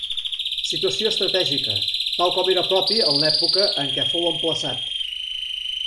Situació estratègica, tal com era propi en l'època en què fou emplaçat.